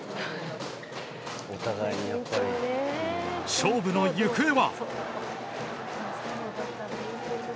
勝負の行方は。